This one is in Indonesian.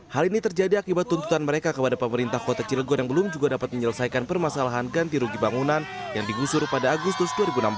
hal ini terjadi akibat tuntutan mereka kepada pemerintah kota cilegon yang belum juga dapat menyelesaikan permasalahan ganti rugi bangunan yang digusur pada agustus dua ribu enam belas